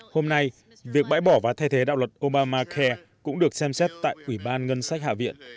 hôm nay việc bãi bỏ và thay thế đạo luật obamacare cũng được xem xét tại ủy ban ngân sách hạ viện